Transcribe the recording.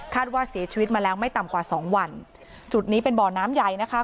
ว่าเสียชีวิตมาแล้วไม่ต่ำกว่าสองวันจุดนี้เป็นบ่อน้ำใหญ่นะคะ